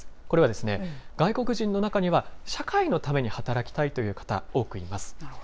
これは、外国人の中には、社会のために働きたいという方、多くいます。